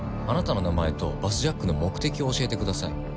あなたの名前とバスジャックの目的を教えてください。